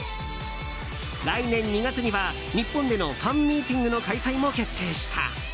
来年２月には日本でのファンミーティングの開催も決定した。